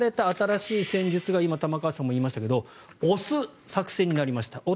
新しい戦術が今、玉川さんも言いましたけど押す作戦になりました。